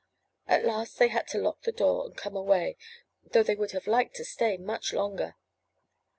At last they had to lock the door and come away, though they would have liked to stay much longer.